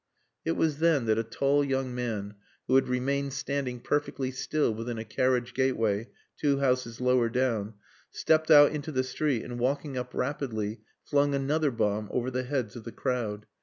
It was then that a tall young man who had remained standing perfectly still within a carriage gateway, two houses lower down, stepped out into the street and walking up rapidly flung another bomb over the heads of the crowd.